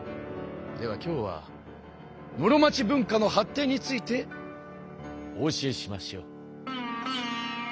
では今日は室町文化の発展についてお教えしましょう。